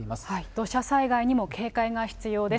土砂災害にも警戒が必要です。